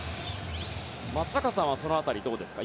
松坂さんはその辺りどうですか？